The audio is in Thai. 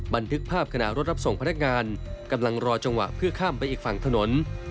บันทึกภาพขณะรถรับส่งพนักงานกำลังรอจังหวะเพื่อข้ามไปอีกฝั่งถนน